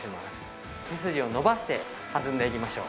背筋を伸ばして弾んでいきましょう。